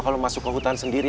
kalau masuk ke hutan sendiri